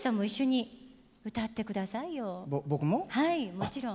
もちろん。